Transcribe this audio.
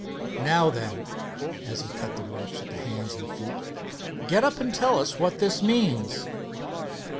Now then," as he cut the ropes at hands and feet, "get up and tell us what this means."